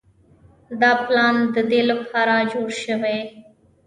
دا پلان د دې لپاره جوړ شوی